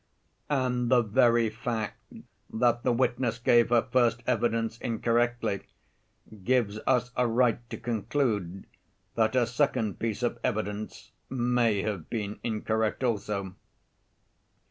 And the very fact that the witness gave her first evidence incorrectly, gives us a right to conclude that her second piece of evidence may have been incorrect also.